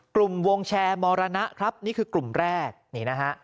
กลุ่มวงแชร์มรณะครับนี่คือกลุ่มแรกนี่นะฮะ